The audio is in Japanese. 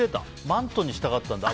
マントにしたかったんだ。